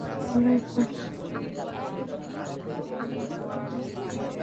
গলার ফাঁসকে গলার গয়না কেউ বলে না।